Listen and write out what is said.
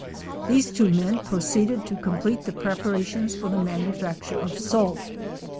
These two men proceeded to complete the preparations for the manufacture of salt.